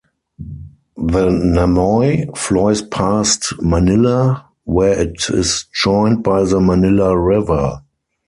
The Namoi flows past Manilla, where it is joined by the Manilla River.